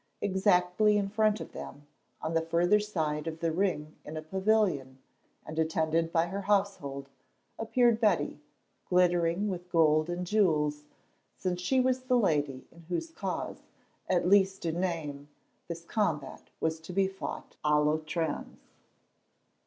Exactly in front of them, on the further side of the ring in a pavilion, and attended by her household, appeared Betty, glittering with gold and jewels, since she was the lady in whose cause, at least in name, this combat was to be fought à l'outrance.